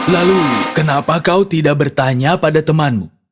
lalu kenapa kau tidak bertanya pada temanmu